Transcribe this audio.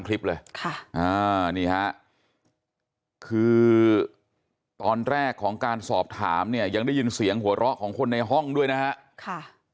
คือตอนแรกของการสอบถามเนี่ยยังได้ยินเสียงหัวเราะของคนในห้องด้วยนะฮะ